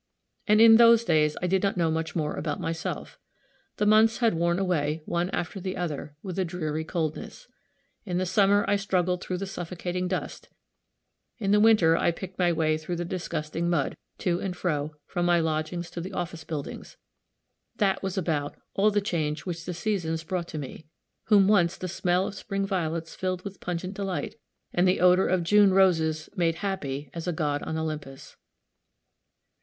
And in those days I did not know much more about myself. The months had worn away, one after the other, with a dreary coldness. In the summer I struggled through the suffocating dust; in the winter I picked my way through the disgusting mud, to and fro, from my lodgings to the office buildings; that was about all the change which the seasons brought to me, whom once the smell of spring violets filled with pungent delight, and the odor of June roses made happy as a god on Olympus.